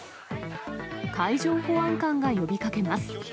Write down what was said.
海上保安官が呼びかけます。